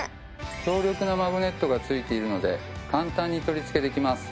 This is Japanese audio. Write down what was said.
強力なマグネットがついているので簡単に取りつけできます。